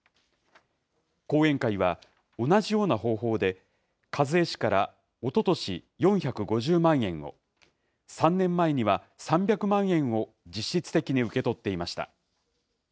後援会は、同じような方法で一衛氏からおととし４５０万円を、３年前には３００万円を実質的に受け取っていました。